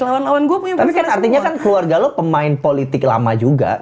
tapi kan artinya keluarga lo pemain politik lama juga